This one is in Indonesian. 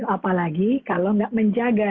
apalagi kalau tidak menjaga